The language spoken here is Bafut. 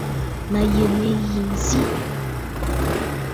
Mə̀ yə̀gə̀ mə̂ yi nzi.